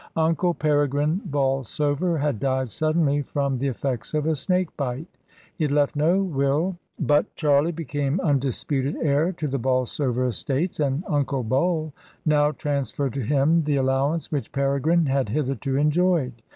Unci: Peregrine Bolsover had died suddenly from th^ effects of a snake bite. He had left no will, br. Charlie became undisputed heir to the Bolsoye: estates, and Uncle Bol now transferred to him ths allowance which Peregrine had hitherto enjojed.